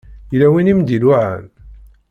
Yella win i m-d-iluɛan?